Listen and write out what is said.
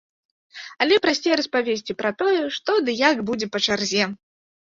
Але прасцей распавесці пра тое, што ды як будзе па чарзе.